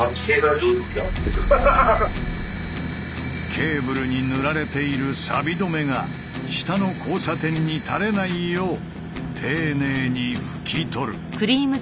ケーブルに塗られているサビ止めが下の交差点にたれないよう丁寧に拭き取る。